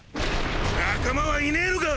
仲間はいねぇのか？